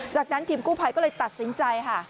จากนั้นทีมกู้ภัยก็เลยตัดสินใจค่ะ